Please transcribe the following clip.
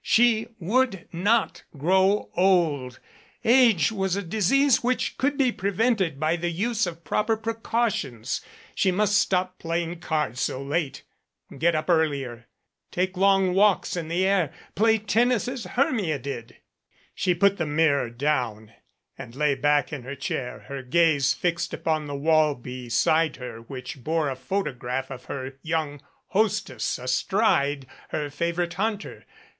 She would not grow old. Age was a disease which could be prevented by the use of proper precautions. She must stop playing cards so late, get up earlier, take long walks in the air, play tennis as Hermia did She put the mirror down and lay back in her chair, her gaze fixed upon the wall beside her which bore a photo graph of her young hostess astride her favorite hunter.